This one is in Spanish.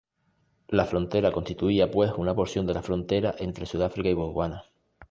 La frontera constituía pues una porción de la frontera entre Sudáfrica y Botsuana.